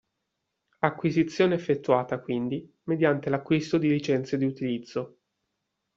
Acquisizione effettuata quindi mediante l'acquisto di licenze di utilizzo.